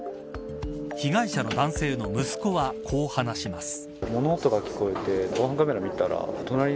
被害者の男性の息子はこう話します。